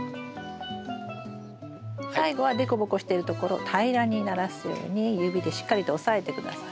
最後は凸凹してるところを平らにならすように指でしっかりと押さえて下さい。